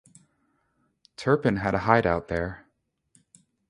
Turpin had a hideout there.